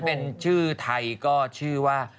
เป็นชื่อไทยคือว่า